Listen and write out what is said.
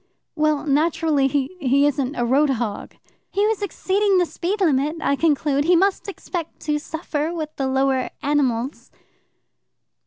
"Well, naturally he he isn't a road hog." "He was exceeding the speed limit, I conclude. He must expect to suffer with the lower animals."